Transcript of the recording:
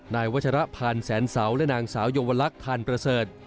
นายวัชรพันธ์แสนเสาและนางสาวยวลักษณ์ทานประเสริฐ